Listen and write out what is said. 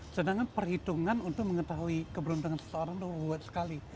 sedangkan perhitungan untuk mengetahui keberuntungan seseorang itu ruwet sekali